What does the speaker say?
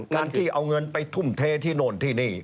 การที่เอาเงินไปทุ่มเทที่โน่นที่นี่